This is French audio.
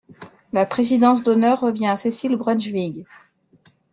La présidence d’honneur revient à Cécile Brunschvicg.